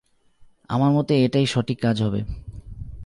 আমার মতে এটাই সঠিক কাজ হবে।